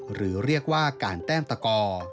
หรือเรียกว่าการแต้มตะกอ